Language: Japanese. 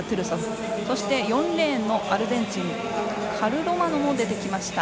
そして、４レーンのアルゼンチンカルロマノも出てきました。